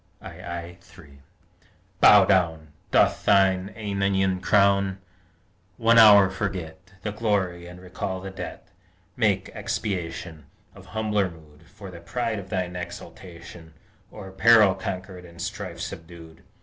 II 3 Bow down! Doff thine æonian crown! One hour forget The glory, and recall the debt: Make expiation, Of humbler mood, For the pride of thine exultation O'er peril conquered and strife subdued.